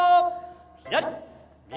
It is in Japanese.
左、右。